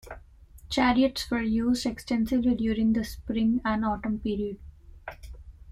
Chariots were used extensively during the Spring and Autumn period.